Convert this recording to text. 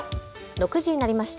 ６時になりました。